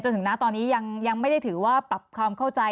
ถึงนะตอนนี้ยังไม่ได้ถือว่าปรับความเข้าใจ